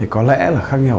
có lẽ là khác nhau